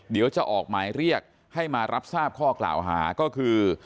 เดี๋ยวจะออกหมายเรียกให้มารับทราบข้อกล่าวหาก็คือ